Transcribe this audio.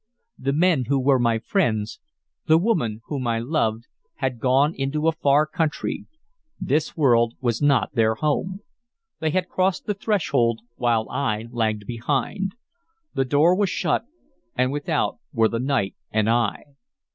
The men who were my friends, the woman whom I loved, had gone into a far country. This world was not their home. They had crossed the threshold while I lagged behind. The door was shut, and without were the night and I.